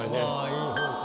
いい方か。